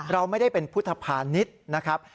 เราไม่ได้เป็นพุทธภานิษฐ์นะครับ